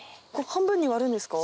半分に割るんですか？